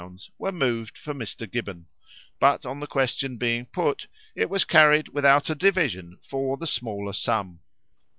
were moved for Mr. Gibbon; but on the question being put, it was carried without a division for the smaller sum.